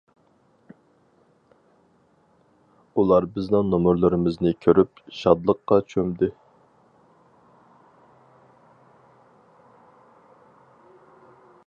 ئۇلار بىزنىڭ نومۇرلىرىمىزنى كۆرۈپ شادلىققا چۆمدى.